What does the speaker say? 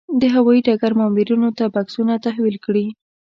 د هوايي ډګر مامورینو ته بکسونه تحویل کړي.